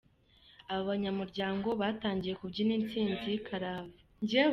Aba banyamuryango batangiye kubyina intsinzi karahava.